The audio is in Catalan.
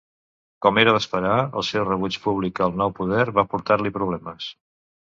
Com era d'esperar, el seu rebuig públic al nou poder va portar-li problemes.